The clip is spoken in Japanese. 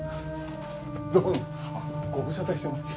どうもご無沙汰してます。